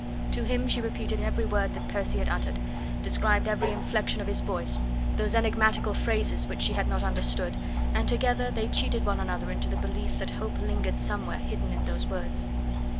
To him she repeated every word that Percy had uttered, described every inflection of his voice, those enigmatical phrases which she had not understood, and together they cheated one another into the belief that hope lingered somewhere hidden in those words.